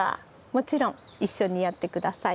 もちろん一緒にやって下さい。